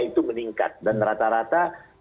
itu meningkat dan rata rata